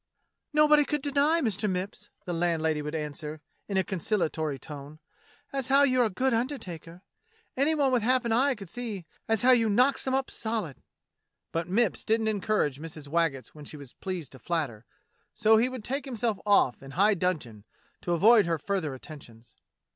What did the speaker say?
"Nobody could deny. Mister Mipps," the landlady would answer in a conciliatory tone, "as how you're a good undertaker. Any one with half an eye could see as how you knocks 'em up solid." THE COMING OF THE KING'S FRIGATE 11 But Mipps didn't encourage Mrs. Waggetts when she was pleased to flatter, so he would take himself off in high dudgeon to avoid her further attentions.